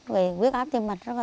với quyết áp tim mạch rất là tốt